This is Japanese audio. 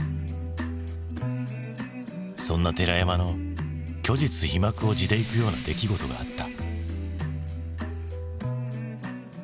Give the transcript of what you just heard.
そんな寺山の虚実皮膜を地でいくような出来事があった。